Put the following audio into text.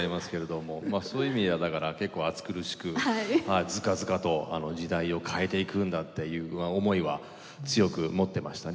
まあそういう意味ではだから結構暑苦しくズカズカと時代を変えていくんだという思いは強く持ってましたね。